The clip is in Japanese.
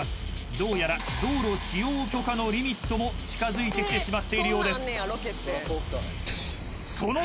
［どうやら道路使用許可のリミットも近づいてきてしまっているようです］